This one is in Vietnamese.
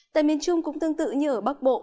tại miền trung cũng tương tự như ở bắc bộ